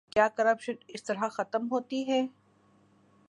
کیا کرپشن اس طرح ختم ہوتی ہے؟